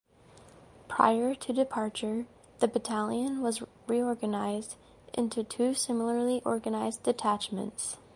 Prior to departure the battalion was reorganized into two similarly organized detachments.